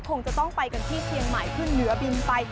คงจะต้องไปกันที่เชียงใหม่ขึ้นเหนือบินไป